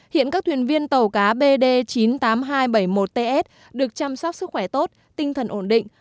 hiện các thuyền viên tàu cá bd chín mươi tám nghìn hai trăm bảy mươi một ts được chăm sóc sức khỏe tốt tinh thần ổn định